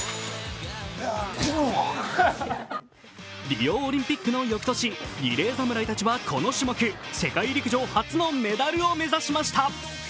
リオオリンピックの翌年、リレー侍たちはこの種目、世界陸上初のメダルを目指しました。